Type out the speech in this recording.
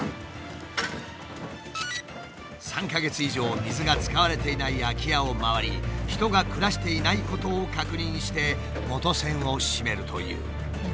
３か月以上水が使われていない空き家を回り人が暮らしていないことを確認して元栓をしめるという。